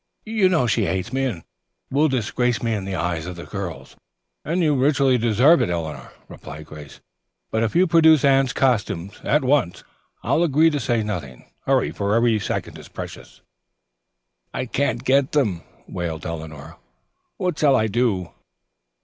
You know she hates me, and will disgrace me in the eyes of the girls." "And you richly deserve it, Eleanor," replied Grace, "but if you produce Anne's costumes at once, I'll agree to say nothing. Hurry, for every second is precious." "I can't get them," wailed Eleanor. "What shall I do?"